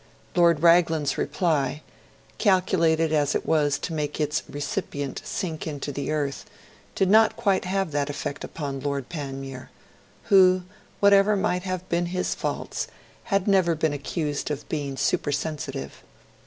Lord Raglan's reply, calculated as it was to make its recipient sink into the earth, did not quite have that effect upon Lord Panmure, who, whatever might have been his faults, had never been accused of being supersensitive.